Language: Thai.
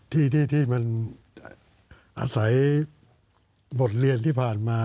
ที่มันอาศัยบทเรียนที่ผ่านมา